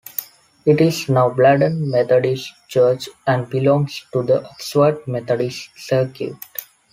It is now Bladon Methodist Church and belongs to the Oxford Methodist Circuit.